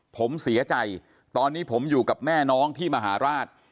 ผมเสียใจตอนนี้ผมอยู่กับแม่น้องที่มหาราช